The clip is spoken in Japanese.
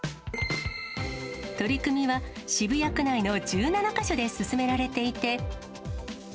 取り組みは、渋谷区内の１７か所で進められていて。